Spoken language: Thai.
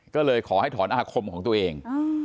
ก็เลยขอให้ถอนอาคมของตัวเอง